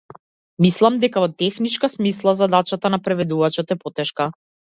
Мислам дека во техничка смисла задачата на преведувачот е потешка.